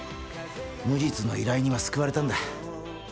無実の依頼人は救われたんだ